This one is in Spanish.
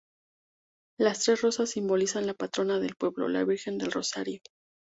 Las tres rosas simbolizan la patrona del pueblo, la Virgen del Rosario.